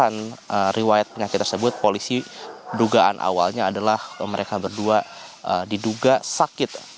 dan memang berdasarkan rewayat penyakit tersebut polisi dugaan awalnya adalah mereka berdua diduga sakit